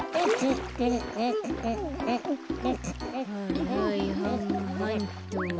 はいはいはんはんっと。